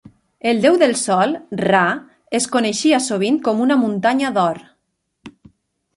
El déu del sol, Ra, es coneixia sovint com una muntanya d'or.